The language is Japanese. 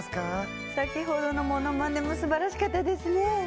先ほどのモノマネも素晴らしかったですね。